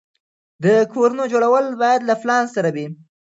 د کورونو جوړول باید له پلان سره وي.